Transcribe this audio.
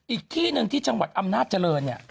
อีกที่หนึ่งที่จังหวัดอำนาจเจริญเนี่ย